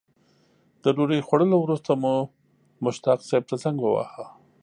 د ډوډۍ خوړلو وروسته مو مشتاق صیب ته زنګ وواهه.